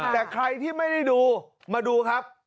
แต่ใครที่ไม่ได้ดูมาดูครับ